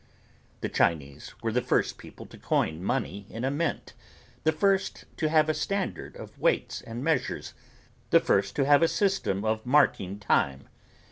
The Chinese were the first people to coin money in a mint; the first to have a standard of weights and measures; the first to have a system of marking time.